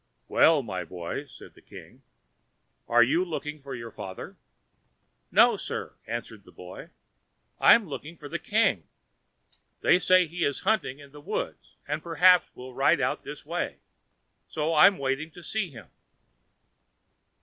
"Well, my boy," said the king, "are you looking for your father?" "No, sir," answered the boy. "I am looking for the king. They say he is hunting in the woods, and perhaps will ride out this way. So I'm waiting to see him."